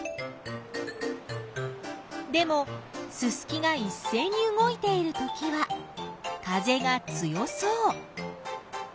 でもススキがいっせいに動いているときは風が強そう。